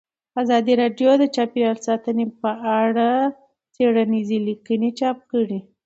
ازادي راډیو د چاپیریال ساتنه په اړه څېړنیزې لیکنې چاپ کړي.